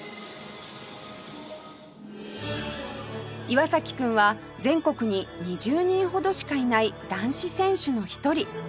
岩崎君は全国に２０人ほどしかいない男子選手の一人